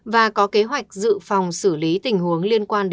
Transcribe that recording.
và có kế hoạch dự phòng xử lý tình huống liên quan đến dịch